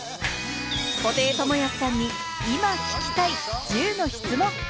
布袋寅泰さんに今聞きたい１０の質問。